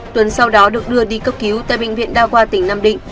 tuấn sau đó được đưa đi cấp cứu tại bệnh viện đa khoa tỉnh nam định